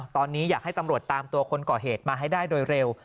ตอนนี้อยากให้ตำรวจตามตัวคนก่อเหตุมาให้ได้โดยเร็ว